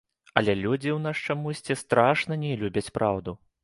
Але людзі ў нас чамусьці страшна не любяць праўду.